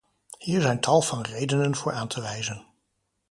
Hier zijn tal van redenen voor aan te wijzen.